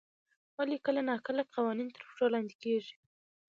ولي کله ناکله قوانين تر پښو لاندې کيږي؟